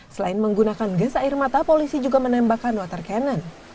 selain menggunakan gas air mata polisi juga menembakkan water cannon